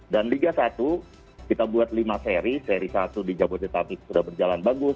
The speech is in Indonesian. dan liga satu kita buat lima seri seri satu di jabodetabek sudah berjalan bagus